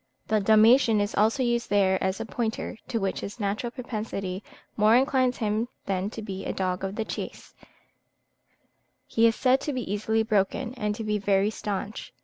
The Dalmatian is also used there as a pointer, to which his natural propensity more inclines him than to be a dog of the chase: he is said to be easily broken, and to be very staunch.